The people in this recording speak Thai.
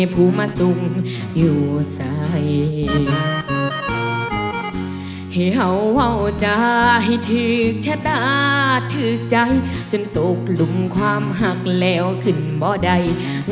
โปรดติดตามต่อไป